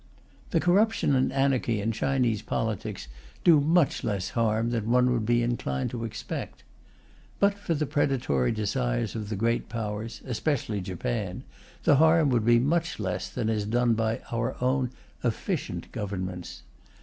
The corruption and anarchy in Chinese politics do much less harm than one would be inclined to expect. But for the predatory desires of the Great Powers especially Japan the harm would be much less than is done by our own "efficient" Governments.